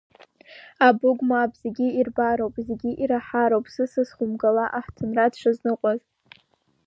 Абыгә мап, зегьы ирбароуп, зегьы ираҳароуп сысас хәымгала аҳҭынра дшазныҟәаз.